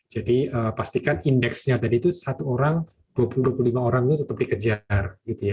jadi pastikan indeksnya tadi itu satu orang dua puluh dua puluh lima orang itu tetap dikejar